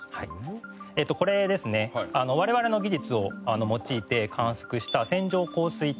えっとこれですね我々の技術を用いて観測した線状降水帯。